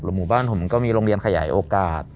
หมู่บ้านผมก็มีโรงเรียนขยายโอกาส